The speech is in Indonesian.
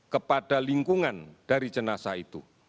kepada lingkungan dari jenazah itu